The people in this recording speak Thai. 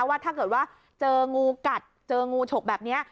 ว่าถ้าเกิดว่าเจองูกัดเจองูฉกแบบนี้